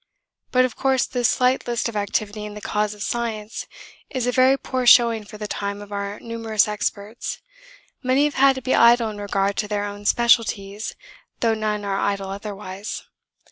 'But of course this slight list of activity in the cause of science is a very poor showing for the time of our numerous experts; many have had to be idle in regard to their own specialities, though none are idle otherwise.